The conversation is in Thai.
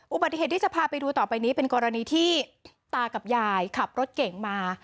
อุบัติเหตุที่จะพาไปดูต่อไปนี้เป็นกรณีที่ตากับยายขับรถเก่งมา